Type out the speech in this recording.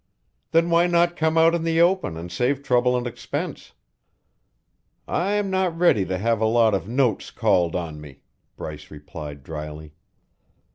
"Then why not come out in the open and save trouble and expense?" "I am not ready to have a lot of notes called on me," Bryce replied dryly.